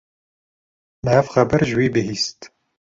Me ev xeber ji wî bihîst.